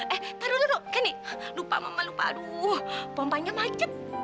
eh aduh aduh kenny lupa mama lupa aduh pompanya macet